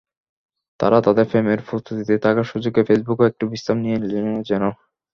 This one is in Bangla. তারা তাদের প্রেমের প্রস্তুতিতে থাকার সুযোগে ফেসবুকও একটু বিশ্রাম নিয়ে নিল যেন।